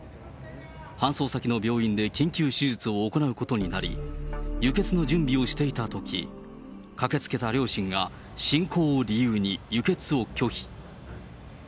搬送先の病院で緊急手術を行うことになり、輸血の準備をしていたとき、駆けつけた両親が信仰を理由に輸血を拒否。